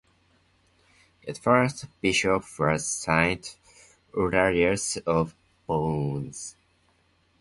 Its first bishop was Saint Ursinus of Bourges.